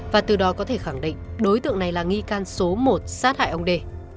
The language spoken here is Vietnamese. và từ đó có thể khẳng định đối tượng này là nghi can số một sát hại ông đề